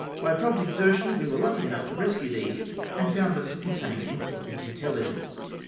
By prompt exertion we were lucky enough to rescue these, and found them to contain important intelhgence.